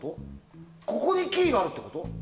ここにキーがあるってこと？